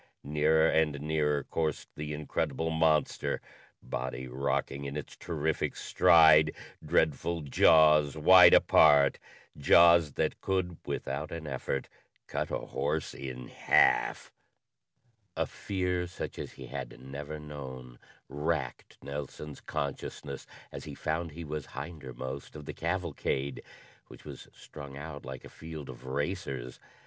Nearer and nearer coursed the incredible monster, body rocking in its terrific stride, dreadful jaws wide apart jaws that could, without an effort, cut a horse in half. A fear such as he had never known racked Nelson's consciousness as he found he was hindermost of the cavalcade, which was strung out like a field of racers.